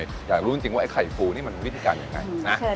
อยากรู้จริงว่าไอ้ไข่ฟูนี่มันมีวิธีการยังไงนะ